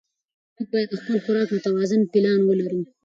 موږ باید د خپل خوراک متوازن پلان ولرو